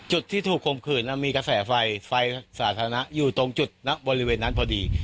จุดที่ถูกคมขืนมีกระแสไฟไฟสาธารณะอยู่ตรงจุดบริเวณนั้นพอดี